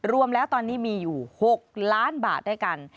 รวมแล้วตอนนี้มีอยู่๖ล้านบาทด้วยกัน